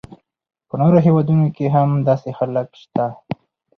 په نورو هیوادونو کې هم داسې خلک شته.